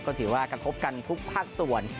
ก็ถือว่ากระทบกันทุกภาคส่วน